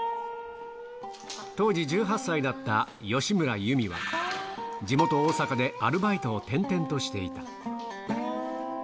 当時１８歳だった吉村由美は、地元、大阪でアルバイトを転々としていた。